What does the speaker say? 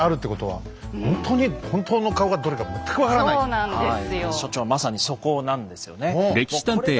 そうなんです。